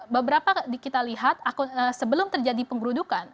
beberapa kita lihat sebelum terjadi penggerudukan